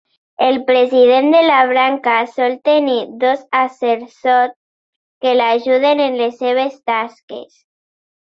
El president de la branca sol tenir dos assessors que l'ajuden en les seves tasques.